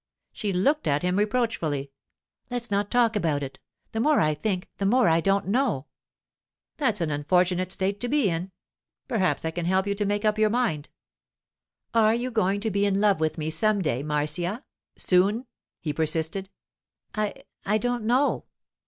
She looked at him reproachfully. 'Let's not talk about it. The more I think, the more I don't know.' 'That's an unfortunate state to be in. Perhaps I can help you to make up your mind. Are you going to be in love with me some day, Marcia—soon?' he persisted. 'I—I don't know.